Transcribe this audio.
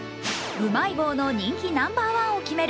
うまい棒の人気ナンバーワンを決める